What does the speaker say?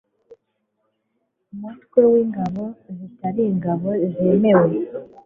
mutwe w ingabo zitari ingabo zemewe